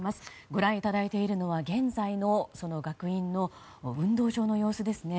ご覧いただいているのは現在の学院の運動場の様子ですね。